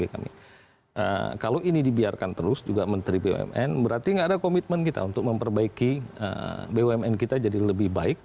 kalau ini dibiarkan terus juga menteri bumn berarti nggak ada komitmen kita untuk memperbaiki bumn kita jadi lebih baik